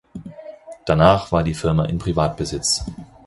Danach war die Firma in Privatbesitz.